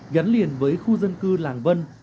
gắn liền với khu dân cư làng vân